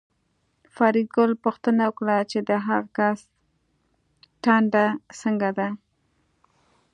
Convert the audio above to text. فریدګل پوښتنه وکړه چې د هغه کس ټنډه څنګه ده